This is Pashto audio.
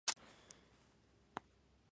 ملالۍ به د فداکارۍ لوړ نوم ساتلې وو.